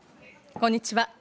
こんにちは。